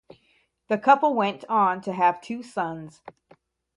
The couple went on to have two sons.